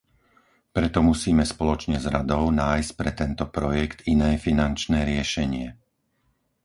Preto musíme spoločne s Radou nájsť pre tento projekt iné finančné riešenie.